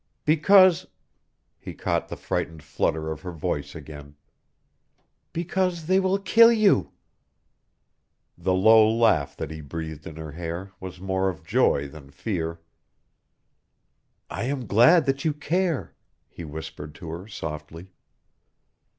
"Because " He caught the frightened flutter of her voice again. "Because they will kill you!" The low laugh that he breathed in her hair was more of joy than fear. "I am glad that you care," he whispered to her softly.